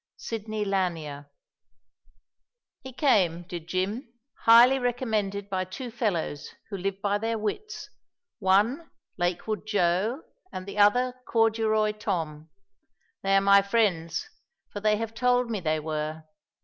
Sidney Lanier. When Sister Called He came did Jim highly recommended by two fellows who live by their wits one, Lakewood Joe and the other, Corduroy Tom. They are my friends, for they have told me they were.